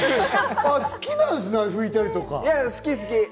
好きなんですね、拭いたりと好き好き。